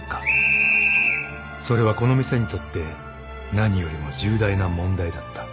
［それはこの店にとって何よりも重大な問題だった］